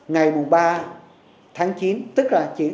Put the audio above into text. ngày ba tháng chín tức là chín tháng chín